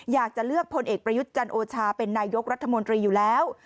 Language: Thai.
อยากจะเลือกพลเอกประยุทธ์จันโอชาเป็นนายกรัฐมนตรีอยู่แล้ว